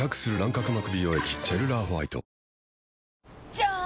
じゃーん！